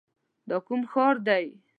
دا کوم ښار دی؟